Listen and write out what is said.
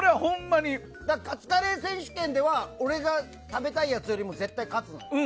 カツカレー選手権では俺が食べたいやつよりも絶対勝つの。